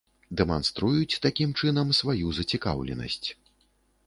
Дэманструюць такім чынам сваю зацікаўленасць.